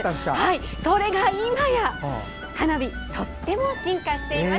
それがいまや花火、とっても進化しています。